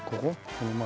この前？